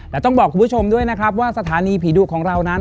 และต้องบอกคุณผู้ชมด้วยนะครับว่าสถานีผีดุของเรานั้น